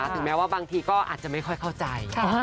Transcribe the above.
ถึงแม้ว่าบางทีก็อาจจะไม่ค่อยเข้าใจ